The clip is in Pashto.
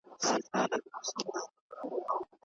توماس لیکلو ته ډېر وخت ورکړ.